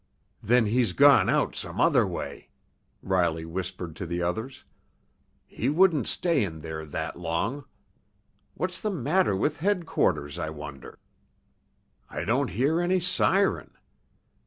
"Then he's gone out some other way," Riley whispered to the others. "He wouldn't stay in there that long. What's the matter with headquarters, I wonder? I don't hear any siren.